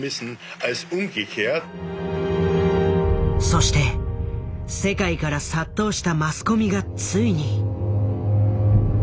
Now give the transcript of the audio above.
そして世界から殺到したマスコミがついに。